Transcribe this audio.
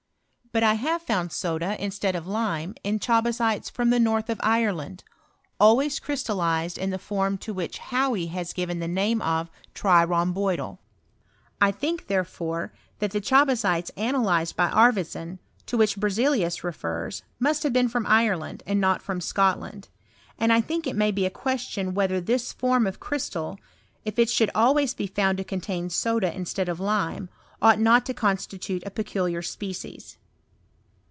But I have found soda instead of lime in chabasites from the north of Ireland, always crystallized in the form to which Hauy has given the name of trirhomboidale, I think, therefore, that the chabasites analyzed by Arfvedson, to which Berzelius refers, must have been from Ireland, and not from Scotland ; and I think it may be a question whether, this form of crystal, if it should always be found to contain soda instead of lime, ought not to constitute a peculiar species.